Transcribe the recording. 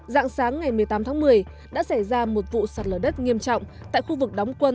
dạng sáng ngày một mươi tám tháng một mươi đã xảy ra một vụ sạt lở đất nghiêm trọng